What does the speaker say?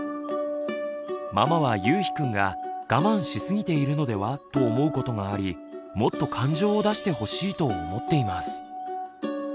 ママはゆうひくんが我慢しすぎているのではと思うことがありもっと感情を出してほしいと思っています。